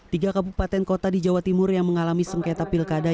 tiga kabupaten kota di jawa timur yang mengalami sengketa pilkada